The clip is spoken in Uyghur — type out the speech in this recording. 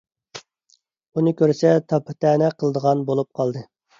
ئۇنى كۆرسە تاپا - تەنە قىلىدىغان بولۇپ قالدى.